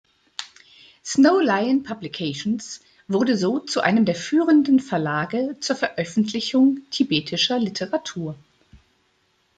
Snow Lion Publications wurde so zu einem der führenden Verlage zur Veröffentlichung tibetischer Literatur.